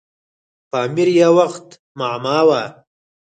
پامیر یو وخت معما وه.